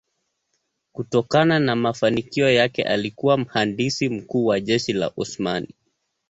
Kutokana na mafanikio yake alikuwa mhandisi mkuu wa jeshi la Osmani.